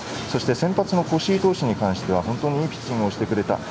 そして先発の越井投手に対しては本当にいいピッチングをしてくれた。